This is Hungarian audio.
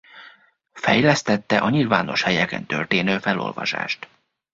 Fejlesztette a nyilvános helyeken történő felolvasást.